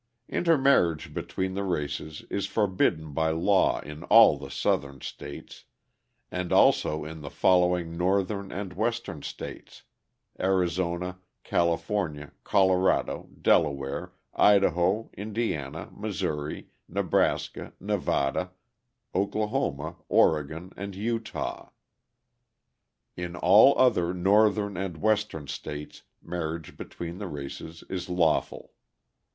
Intermarriage between the races is forbidden by law in all the Southern states and also in the following Northern and Western states: Arizona, California, Colorado, Delaware, Idaho, Indiana, Missouri, Nebraska, Nevada, Oklahoma, Oregon, and Utah. In all other Northern and Western states marriage between the races is lawful.